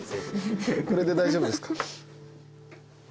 これで大丈夫ですか？